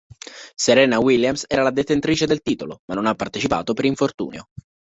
Serena Williams era la detentrice del titolo, ma non ha partecipato per infortunio.